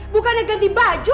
bukannya ganti baju